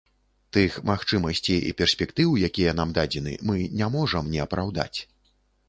Тых магчымасцей і перспектыў, якія нам дадзены, мы не можам не апраўдаць.